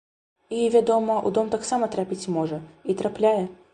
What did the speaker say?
І, вядома, у дом таксама трапіць можа, і трапляе.